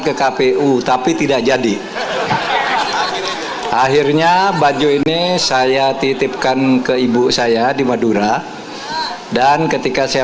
ke kpu tapi tidak jadi akhirnya baju ini saya titipkan ke ibu saya di madura dan ketika saya